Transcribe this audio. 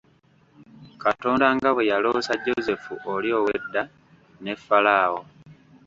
Katonda nga bwe yaloosa Joseph oli ow'edda, ne Pharao.